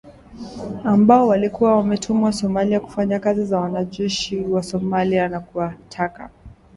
ambao walikuwa wametumwa Somalia kufanya kazi na wanajeshi wa Somalia na kuwataka